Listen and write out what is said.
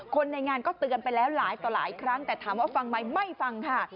คนในงานก็เตือนไปแล้วหลายต่อหลายครั้งแต่ถามว่าฟังไหมไม่ฟังค่ะ